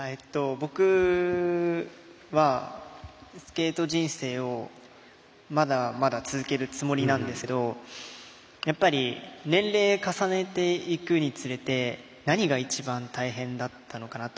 僕はスケート人生をまだまだ続けるつもりなんですけどやっぱり年齢重ねていくにつれて何が一番、大変だったのかなと。